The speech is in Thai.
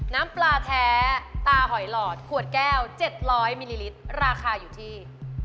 น้ำปลาแท้ตาหอยหลอดขวดแก้ว๗๐๐มิลลิลิตรราคาอยู่ที่